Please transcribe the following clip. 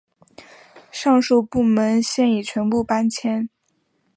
上述部门现已全部搬迁。